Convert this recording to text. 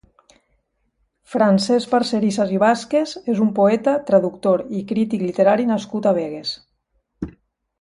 Francesc Parcerisas i Vázquez és un poeta, traductor i crític literari nascut a Begues.